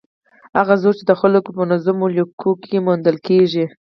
هغه زور چې د خلکو په منظمو لیکو کې موندل کېږي.